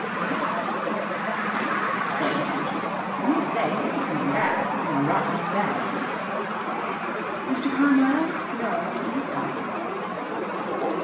"Pipped?" "Popped," explained Ginger. "I mean to say, he isn't coming back or any rot like that, is he?" "Mr. Carmyle? No, he has gone."